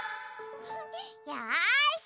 よし！